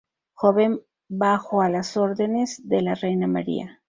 Joven bajo a las órdenes de la Reina María.